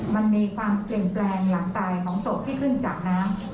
มันมีความเปลี่ยนแปลงหลังตายของศพที่ขึ้นจากน้ำ